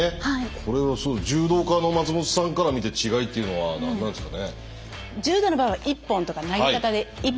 これは柔道家の松本さんから見て違いっていうのは何なんですかね？